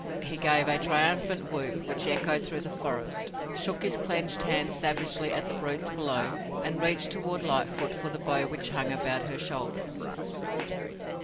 He gave a triumphant whoop which echoed through the forest, shook his clenched hand savagely at the brutes below and reached toward Lightfoot for the bow which hung about her shoulders.